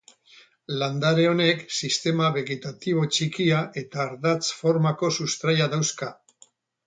Landare honek sistema begetatibo txikia eta ardatz-formako sustraia dauzka.